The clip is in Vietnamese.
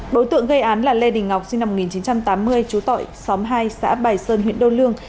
đối tượng gây án là lê đình ngọc sinh năm một nghìn chín trăm tám mươi chú tội xóm hai xã bài sơn huyện đô lương